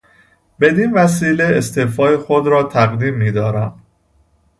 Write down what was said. بدینوسیله استعفای خود را تقدیم میدارم.